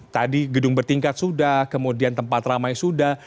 tadi gedung bertingkat sudah kemudian tempat ramai sudah